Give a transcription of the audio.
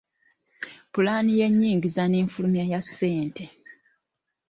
Pulaani y’ennyingiza n’enfulumya ya ssente.